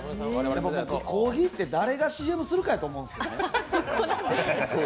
僕、コーヒーって誰がＣＭするかやと思うんですよ。